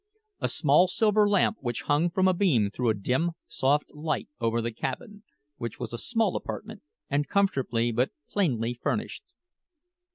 A small silver lamp which hung from a beam threw a dim, soft light over the cabin, which was a small apartment, and comfortably but plainly furnished.